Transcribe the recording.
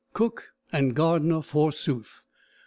Cook and gardener forsooth!